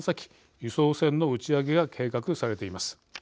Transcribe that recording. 輸送船の打ち上げが計画されています。